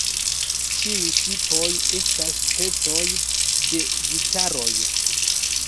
Ĉiuj tipoj estas specoj de gitaroj.